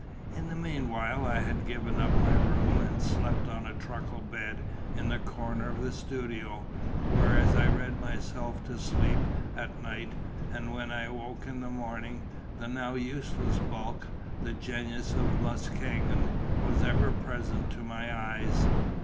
In the meanwhile I had given up my room, and slept on a truckle bed in the corner of the studio, where as I read myself to sleep at night, and when I awoke in the morning, that now useless bulk, the Genius of Muskegon, was ever present to my eyes.